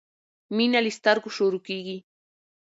مينه له سترګو شروع کیږی